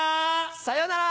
さよなら！